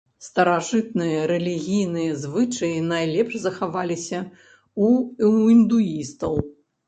Старажытныя рэлігійныя звычаі найлепш захаваліся ў індуістаў.